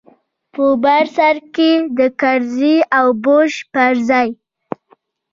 په بر سر کښې د کرزي او بوش پر ځاى.